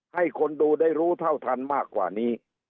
ให้คนดูได้รู้เท่าทันมากกว่านี้